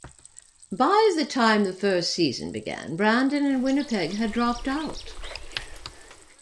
By the time the first season began, Brandon and Winnipeg had dropped out.